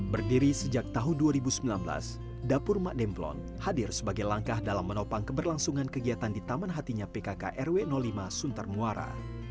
berdiri sejak tahun dua ribu sembilan belas dapur mak demplon hadir sebagai langkah dalam menopang keberlangsungan kegiatan di taman hatinya pkk rw lima suntar muara